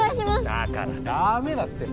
だからダメだって。